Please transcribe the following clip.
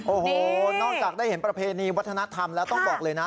โอ้โหนอกจากได้เห็นประเพณีวัฒนธรรมแล้วต้องบอกเลยนะ